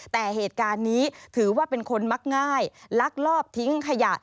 แต่เหตุการณ์นี้ถือว่าเป็นคนมักง่ายลักลอบทิ้งขยะ